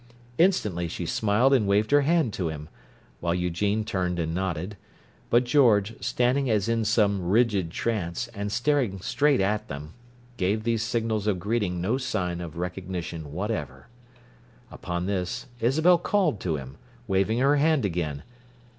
Instantly she smiled and waved her hand to him; while Eugene turned and nodded; but George, standing as in some rigid trance, and staring straight at them, gave these signals of greeting no sign of recognition whatever. Upon this, Isabel called to him, waving her hand again.